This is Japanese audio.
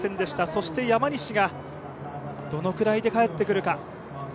そして山西がどのくらいで帰ってくるか。